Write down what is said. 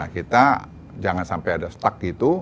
kita jangan sampai ada stuck gitu